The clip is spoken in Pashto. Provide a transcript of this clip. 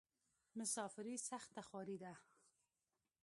مسافري سخته خواری ده.